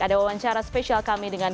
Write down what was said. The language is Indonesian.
ada wawancara spesial kami dengan